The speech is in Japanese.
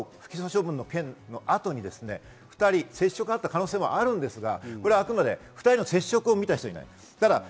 その中で、もしかしたら今年１月の不起訴処分の件のあとに２人接触あった可能性もあるんですが、あくまで２人の接触を見た人はいない。